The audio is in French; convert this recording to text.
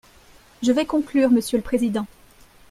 Je vais conclure, monsieur le président.